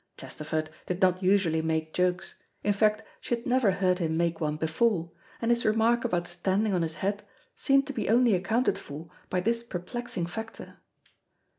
Chesterford did not usually make jokes, in fact she had never heard him make one before, and his remark about standing on his head seemed to be only accounted for by this perplexing factor.